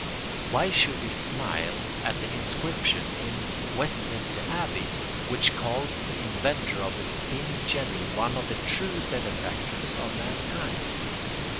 Why should we smile at the inscription in Westminster Abbey which calls the inventor of the spinning jenny one of the true benefactors of mankind?